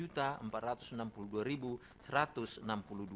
dan tiga puluh empat ratus enam puluh dua satu ratus enam puluh dua